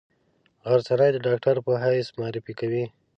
غرڅنۍ د ډاکټرې په حیث معرفي کوي.